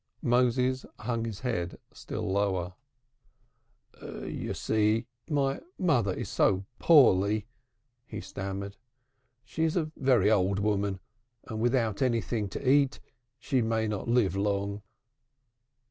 Moses hung his head still lower. "You see my mother is so poorly," he stammered. "She is a very old woman, and without anything to eat she may not live long."